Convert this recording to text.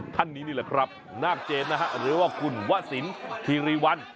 ท่านนี้นี่แหละครับนาคเจนนะฮะหรือว่าคุณวะสินคีรีวัน